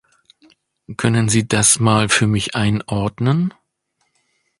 Können Sie das mal für mich einordnen?